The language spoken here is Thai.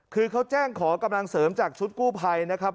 คือเขาแจ้งขอกำลังเสริมจากชุดกู้ภัยนะครับ